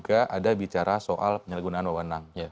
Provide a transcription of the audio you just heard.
ada bicara soal penyelidikan undang undang